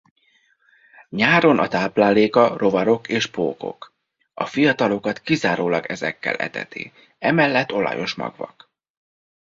Nyáron a tápláléka rovarok és pókok-a fiatalokat kizárólag ezekkel eteti-emellett olajos magvak.